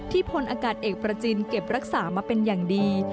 พลอากาศเอกประจินเก็บรักษามาเป็นอย่างดี